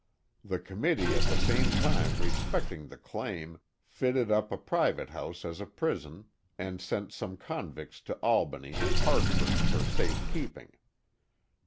The Committee at the same time respecting the claim, fitted up a private house as a prison, and sent some convicts to Albany and Hartford for safe keeping.